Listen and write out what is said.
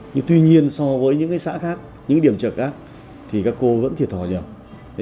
nhưng tuy nhiên so với những xã khác những điểm trợ khác thì các cô vẫn thiệt thò nhiều